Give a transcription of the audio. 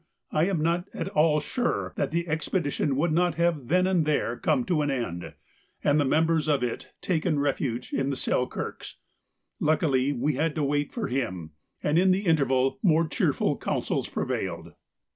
I am not at all sure that the expedition would not have then and there come to an end, and the members of it taken refuge in the Selkirks. Luckily we had to wait for him, and in the interval more cheerful counsels prevailed.